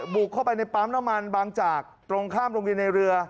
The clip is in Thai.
บุกเข้าไปในปั๊มน้ำมันบางจากตรงข้ามโรงเรียนในเรือ